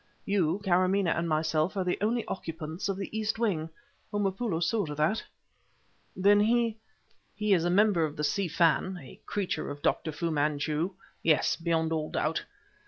"You, Kâramaneh, and myself are the only occupants of the east wing. Homopoulo saw to that." "Then he " "He is a member of the Si Fan, a creature of Dr. Fu Manchu yes, beyond all doubt!